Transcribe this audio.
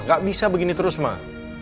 gak bisa begini terus mah